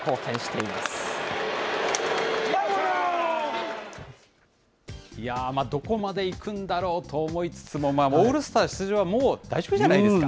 いやー、どこまで行くんだろうと思いつつも、オールスター出場はもう大丈夫じゃないですか。